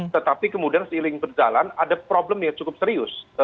tetapi kemudian seiring berjalan ada problem yang cukup serius